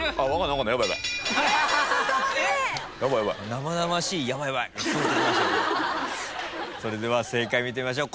生々しい「ヤバいヤバい」それでは正解見てみましょう。